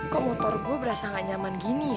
kok motor gue berasa gak nyaman gini